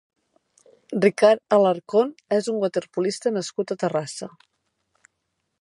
Ricard Alarcón és un waterpolista nascut a Terrassa.